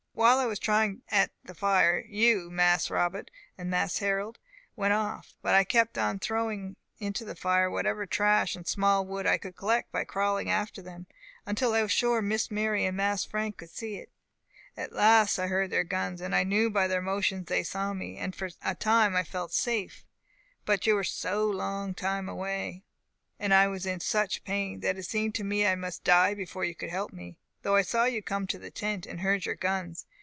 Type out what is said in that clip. While I was trying at the fire, you, Mas Robbut and Mas Harrol, went off; but I kept on throwing into the fire whatever trash and small wood I could collect by crawling after them, until I was sure Miss Mary and Mas Frank would see it. At last I heard their guns, and knew by their motions that they saw me; and for a time I felt safe. But you were so long time away, and I was in such pain, that it seemed to me I must die before you could help me, though I saw you come to the tent, and heard your guns.